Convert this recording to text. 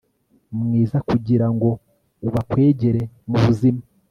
mwiza kugirango ubakwegere mubuzima